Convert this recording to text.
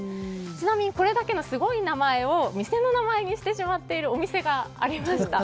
ちなみにこれだけのすごい名前を店の名前にしているお店がありました。